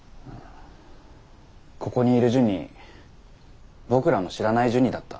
ここにいるジュニ僕らの知らないジュニだった。